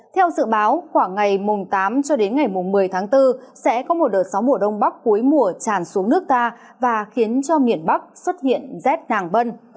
theo dự báo khoảng ngày tám cho đến ngày một mươi tháng bốn sẽ có một đợt sóng mùa đông bắc cuối mùa tràn xuống nước ta và khiến cho miền bắc xuất hiện rét nàng bân